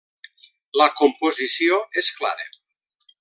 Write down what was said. La composició és clara.